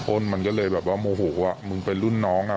้นมันก็เลยแบบว่าโมโหว่ามึงเป็นรุ่นน้องอ่ะ